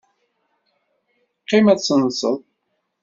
Qqim ad tenseḍ.